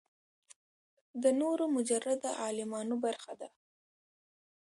د نورو مجرده عالمونو برخه ده.